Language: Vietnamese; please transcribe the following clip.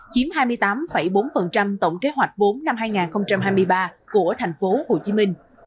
chiếm hai mươi tám bốn tổng kế hoạch vốn năm hai nghìn hai mươi ba của tp hcm